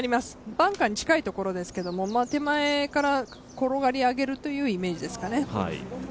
バンカーに近いところですけれども、手前から転がり上げるというイメージですかね。